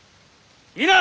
いいな！？